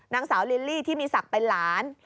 นางสาวลิลลี่ที่มีศักดิ์เป็นหลาน